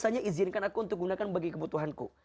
biasanya izinkan aku untuk gunakan bagi kebutuhanku